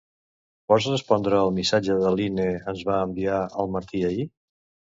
Pots respondre al missatge de Line ens va enviar el Martí ahir?